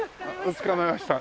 つかめました。